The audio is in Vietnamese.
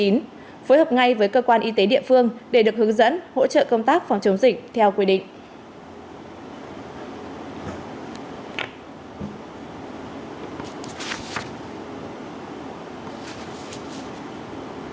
phối hợp ngay với cơ quan y tế địa phương để được hướng dẫn hỗ trợ công tác phòng chống dịch theo quy định